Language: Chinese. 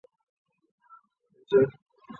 她还在呼吸